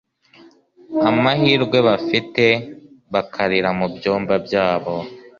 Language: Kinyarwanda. amahirwe bafite bakarira mu byumba byabo,